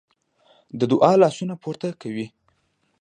د دعا لاسونه پورته کوي.